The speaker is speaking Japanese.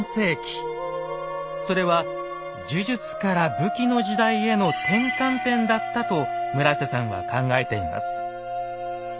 それは呪術から武器の時代への転換点だったと村さんは考えています。